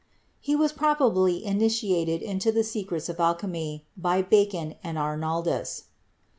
He was probably ini tiated into the secrets of alchemy by Bacon and Arnaldus.